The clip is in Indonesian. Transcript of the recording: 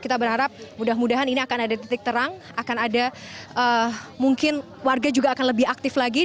kita berharap mudah mudahan ini akan ada titik terang akan ada mungkin warga juga akan lebih aktif lagi